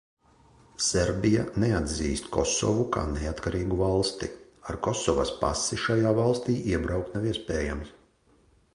Serbija neatzīst Kosovu kā neatkarīgu valsti, ar Kosovas pasi šajā valstī iebraukt nav iespējams.